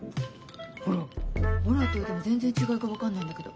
ほらって言われても全然違いが分かんないんだけど。